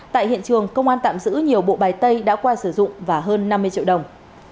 tại hiện trường công an tạm giữ nhiều bộ bài tay đã qua sử dụng và hơn năm mươi triệu đồng